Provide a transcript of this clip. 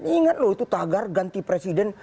ingat loh itu tagar ganti presiden